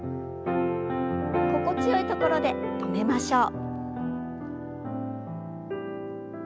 心地よいところで止めましょう。